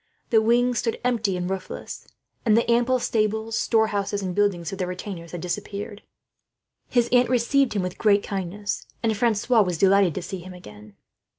The wings stood empty and roofless, and the ample stables, storehouses, and buildings for the retainers had disappeared. His aunt received him with great kindness, and Francois was delighted to see him again.